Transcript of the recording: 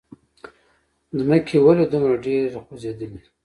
ځمکې! ولې دومره ډېره خوځېدلې؟